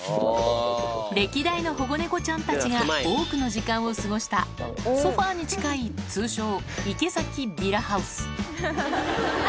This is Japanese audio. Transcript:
歴代の保護猫ちゃんたちが多くの時間を過ごした、ソファーに近い通称、池崎ヴィラハウス。